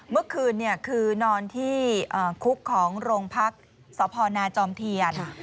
เมื่อคืนคือนอนที่คุกของโรงพักษ์สพนาจอมเทียน